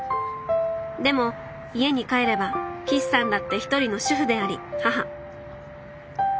でも家に帰れば岸さんだって一人の主婦であり母